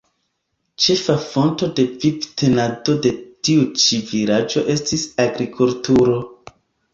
Ĉefa fonto de vivtenado de tiu ĉi vilaĝo estis agrikulturo.